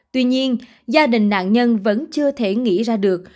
tuy nhiên gia đình nạn nhân vẫn chưa thể nghĩ ra được